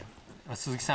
鈴木さん